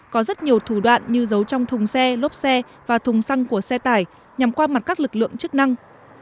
có rất nhiều thủ đoạn như giấu trong thùng xe lốp xe và thùng xăng của xe tải nhằm qua mặt các lực lượng chức năng